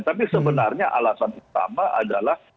tapi sebenarnya alasan utama adalah